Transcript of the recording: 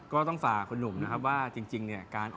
ก็ต้องฝากคุณหนุ่มนะครับว่าจริงเนี่ย